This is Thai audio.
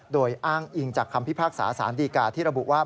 โดยอ้างอิงจากคำพิพากษาสารดีกาที่ระบุว่า